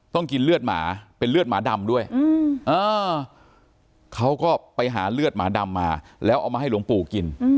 ต้องกินเลือดหมาเป็นเลือดหมาดำด้วยเขาก็ไปหาเลือดหมาดำมาแล้วเอามาให้หลวงปู่กิน